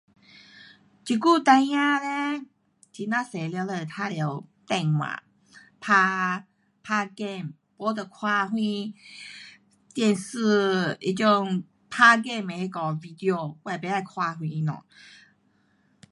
现在孩儿 leh 交多全部玩电话，大 game, 不就看些电视那种大 game 那种 video 我也不懂